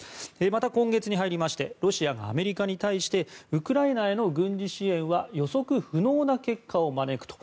また、今月に入りましてロシアがアメリカに対してウクライナへの軍事支援は予測不能な結果を招くと。